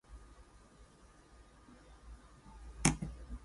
During this time, Thrasea continued to look after the interests of his clients.